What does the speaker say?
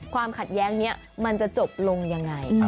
ความขัดแย้งนี้มันจะจบลงยังไง